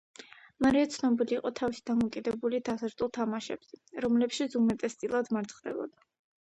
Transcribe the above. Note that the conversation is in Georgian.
მარია ცნობილი იყო თავისი დამოკიდებულებით აზარტულ თამაშებზე, რომლებშიც უმეტესწილად მარცხდებოდა.